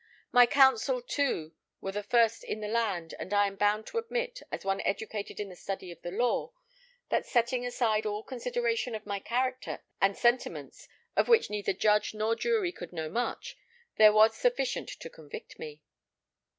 My counsel, too, were the first in the land, and I am bound to admit, as one educated in the study of the law, that setting aside all consideration of my character, and sentiments, of which neither judge nor jury could know much, there was sufficient to convict me."